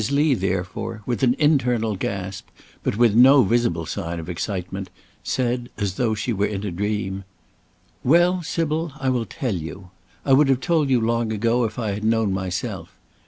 Lee, therefore, with an internal gasp, but with no visible sign of excitement, said, as though she were in a dream: "Well, Sybil, I will tell you. I would have told you long ago if I had known myself.